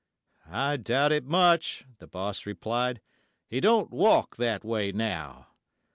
'I doubt it much,' the boss replied, 'he don't walk that way now.'